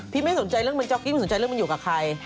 ไม่สนใจเรื่องมันจ๊อกกี้ไม่สนใจเรื่องมันอยู่กับใคร